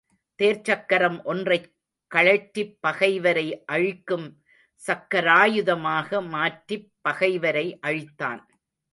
தேர்ச்சக்கரம் ஒன்றைக் கழற்றிப் பகைவரை அழிக்கும் சக்கராயுதமாக மாற்றிப் பகைவரை அழித்தான்.